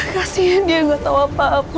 kasian dia gak tahu apa apa